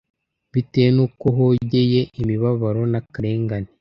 bitewe n’uko hogeye imibabaro n’akarengane.